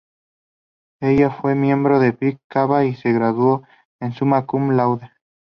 Ella fue miembro de Phi Beta Kappa y se graduó en Summa Cum Laude.